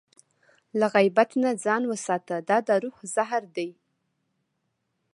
له غیبت نه ځان وساته، دا د روح زهر دی.